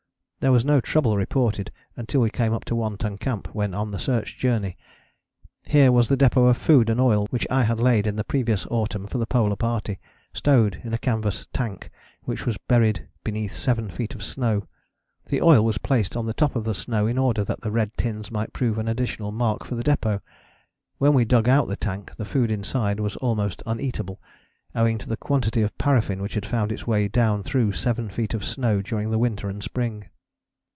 There was no trouble reported until we came up to One Ton Camp when on the Search Journey. Here was the depôt of food and oil which I had laid in the previous autumn for the Polar Party, stowed in a canvas 'tank' which was buried beneath seven feet of snow; the oil was placed on the top of the snow, in order that the red tins might prove an additional mark for the depôt. When we dug out the tank the food inside was almost uneatable owing to the quantity of paraffin which had found its way down through seven feet of snow during the winter and spring.